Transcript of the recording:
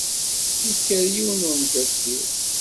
Yekker yiwen n umdakel-iw.